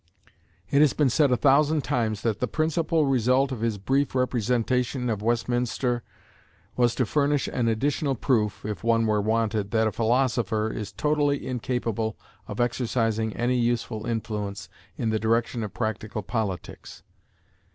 It has been said a thousand times that the principal result of his brief representation of Westminster was to furnish an additional proof, if one were wanted, that a philosopher is totally incapable of exercising any useful influence in the direction of practical politics.